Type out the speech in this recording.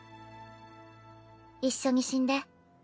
一緒に死んで。